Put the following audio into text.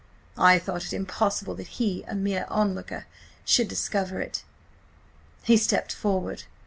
I thought it impossible that he, a mere onlooker, should discover it. He stepped forward.